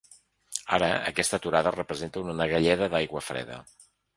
Ara aquesta aturada representa una galleda d’aigua freda.